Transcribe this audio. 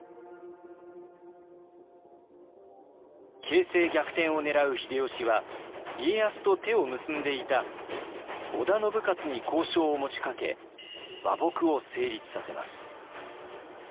形勢逆転を狙う秀吉は家康と手を結んでいた織田信雄に交渉を持ちかけ和睦を成立させます。